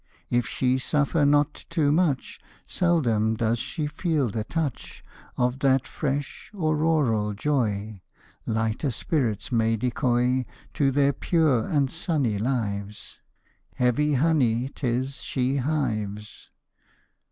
If she suffer not too much, Seldom does she feel the touch Of that fresh, auroral joy Lighter spirits may decoy To their pure and sunny lives. Heavy honey 't is, she hives.